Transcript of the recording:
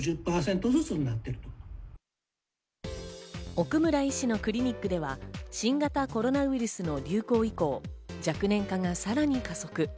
奥村医師のクリニックでは新型コロナウイルスの流行以降、若年化がさらに加速。